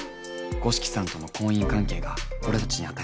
五色さんとの婚姻関係が俺たちに与える影響。